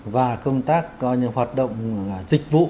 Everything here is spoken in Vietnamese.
và công tác hoạt động dịch vụ